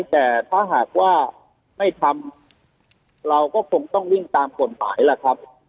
แต่ถ้าหากว่าไม่ทำเราก็คงต้องวิ่งตามกฎหมายล่ะครับ